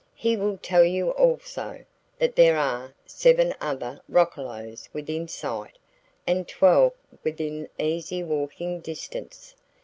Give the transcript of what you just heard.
He will tell you also, that there are seven other roccolos within sight and twelve within easy walking distance.